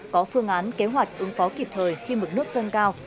có phương án kế hoạch ứng phó kịp thời khi mực nước dâng cao